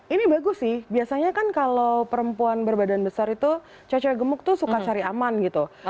ini bagus sih biasanya kan kalau perempuan berbadan besar itu cacar gemuk tuh suka cari aman gitu